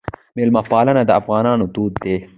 میلمه پالنه د افغانانو دود دی